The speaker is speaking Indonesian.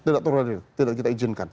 sudah turun temurun tidak kita izinkan